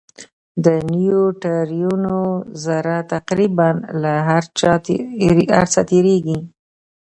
د نیوټرینو ذره تقریباً له هر څه تېرېږي.